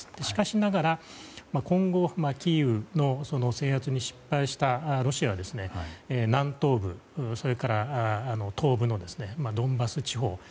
しかしながら今後、キーウの制圧に失敗したロシアは南東部、それから東部のドンバス地方